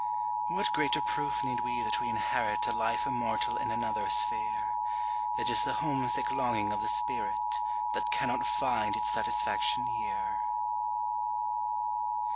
What greater proof need we that we inherit A life immortal in another sphere? It is the homesick longing of the spirit That cannot find its satisfaction here.